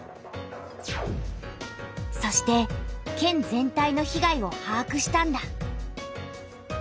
そして県全体の被害をはあくしたんだ。